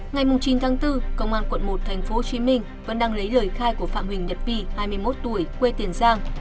ngày chín tháng bốn công an quận một tp hcm vẫn đang lấy lời khai của phạm huỳnh nhật vi hai mươi một tuổi quê tiền giang